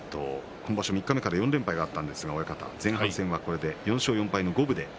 今場所三日目から４連敗がありましたが前半戦は４勝４敗の五分です。